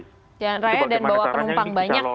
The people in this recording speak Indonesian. di jalan raya dan bawa penumpang banyak gitu ya